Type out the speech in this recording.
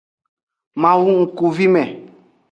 Mawu ngkuvime.